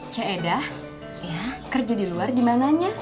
cuk eda kerja di luar gimana